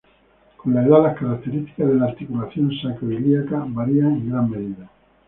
Con la edad, las características de la articulación sacro-ilíaca varían en gran medida.